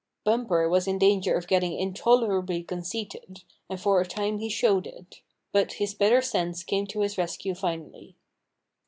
Bumper was in danger of getting intolerably conceited, and for a time he showed it; but his better sense came to his rescue finally.